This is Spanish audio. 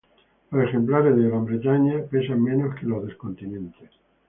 Los ejemplares de Gran Bretaña pesan menos que los del continente.